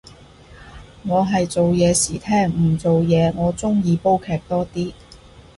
我係做嘢時聽，唔做嘢我鍾意煲劇多啲